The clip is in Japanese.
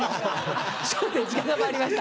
『笑点』時間がまいりました